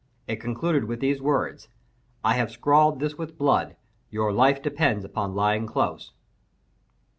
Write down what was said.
It concluded with these words: "_I have scrawled this with blood—your life depends upon lying close.